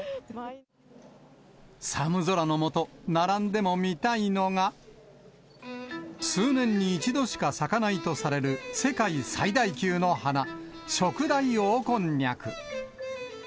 寒空の下、並んでも見たいのが、数年に一度しか咲かないとされる、世界最大級の花、ショクダイオオコンニャク。